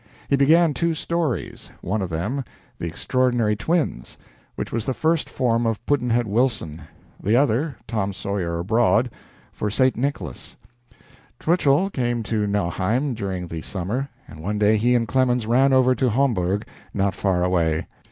He began two stories one of them, "The Extraordinary Twins," which was the first form of "Pudd'nhead Wilson;" the other, "Tom Sawyer Abroad," for "St. Nicholas." Twichell came to Nauheim during the summer, and one day he and Clemens ran over to Homburg, not far away.